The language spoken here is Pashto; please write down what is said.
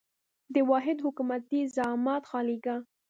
د واحد حکومتي زعامت خالیګاه.